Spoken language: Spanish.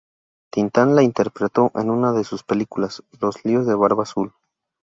Tin Tan la interpretó en una de sus películas "Los líos de barba azul".